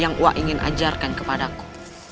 yang wa ingin ajarkan kepadaku